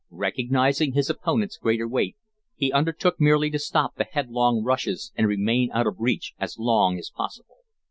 Recognizing his opponent's greater weight, he undertook merely to stop the headlong rushes and remain out of reach as long as possible.